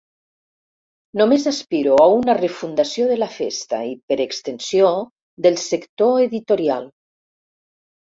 Només aspiro a una refundació de la festa i, per extensió, del sector editorial.